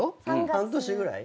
半年ぐらい？